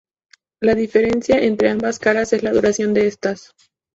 La diferencia entre ambas caras es la duración de estas.